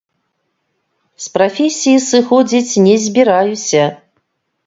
З прафесіі сыходзіць не збіраюся.